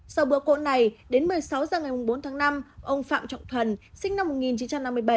sau bữa cơm này đến một mươi sáu h ngày bốn tháng năm ông phạm trọng thuần sinh năm một nghìn chín trăm năm mươi bảy